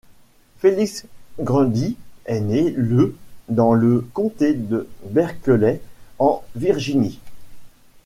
Felix Grundy est né le dans le comté de Berkeley en Virginie.